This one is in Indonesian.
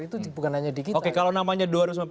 itu bukan hanya di kita oke kalau namanya